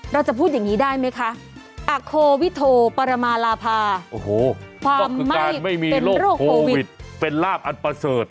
เราจะพูดอย่างนี้ได้ไหมคะอโควิโทปรมาลาพาโอ้โหความคือการไม่มีโรคโควิดเป็นลาบอันประเสริฐ